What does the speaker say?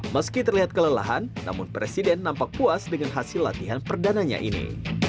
meski terlihat kelelahan namun presiden nampak puas dengan hasil latihan perdananya ini